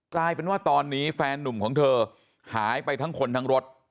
กลายเป็นว่าตอนนี้แฟนนุ่มของเธอหายไปทั้งคนทั้งรถ